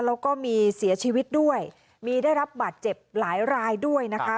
แล้วก็มีเสียชีวิตด้วยมีได้รับบาดเจ็บหลายรายด้วยนะคะ